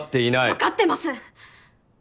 わかってます！